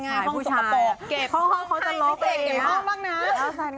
เก็บห้องใครก็เก็บห้องบ้างนะ